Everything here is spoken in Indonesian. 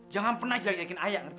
jangan pernah jelek jelekin ayah ngerti lo